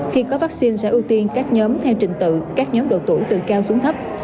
khi có vaccine sẽ ưu tiên các nhóm theo trình tự các nhóm độ tuổi từ cao xuống thấp